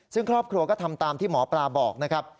ซึ่งครอบครัวก็ทำตามที่หมอปลาบอกนะครับ